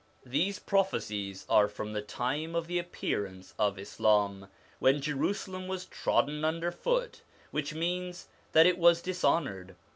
These prophecies are from the time of the appearance of Islam, when Jerusalem was trodden under foot, which means that it was dishonoured.